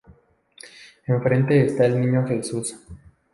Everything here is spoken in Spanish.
Enfrente está el Niño Jesús.